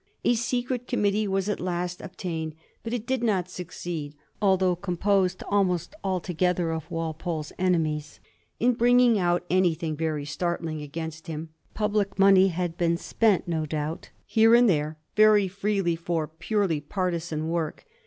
A secret committee was at last obtained, but it did not succeed, although composed almost altogether of Wal pole's enemies, in bringing out anything very startling against him. Public money had been spent, no doubt, here and there very freely for purely partisan work.